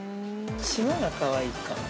◆縞がかわいいか。